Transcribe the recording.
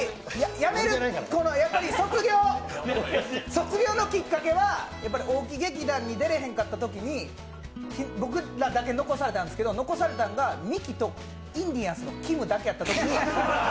卒業のきっかけは、大木劇団に出れへんかったときに僕らだけ残されたんですけど残されたんがミキとインディアンスのきむだけやった。